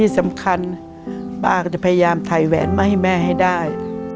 สำคัญป้าก็จะพยายามถ่ายแหวนมาให้แม่ให้ได้